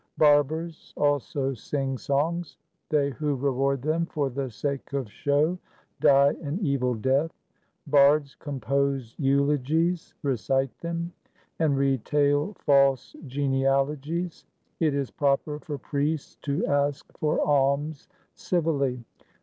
Barbers also sing songs. They who reward them for the sake of show die an evil death. Bards compose eulogies, recite them, and retail false genealogies. It is proper for priests to ask for alms civilly.